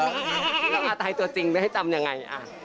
แล้วอาตัยตัวจริงไม่ให้จำยังไง